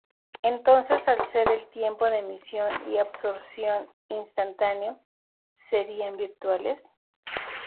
Entonces, al ser el tiempo de emisión y absorción instantáneo, ¿serían virtuales?